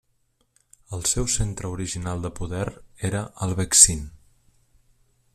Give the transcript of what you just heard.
El seu centre original de poder era el Vexin.